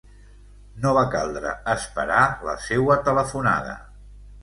No va caldre esperar la seua telefonada.